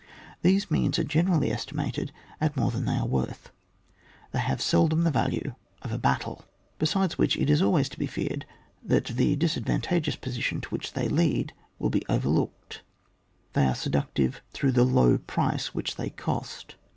— These means are generally estimated at more than they are wortii — they haye seldom the yalue of a battle; besides which it is always to be feared that the disadyantageous position to which they lead, will be oyerlooked ; they are se ductiye through the low price which they cost.